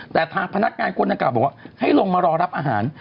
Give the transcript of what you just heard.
แต่ทางพนักงานคนดังกล่าบอกว่าให้ลงมารอรับอาหาร